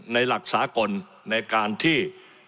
หลักสากลในการที่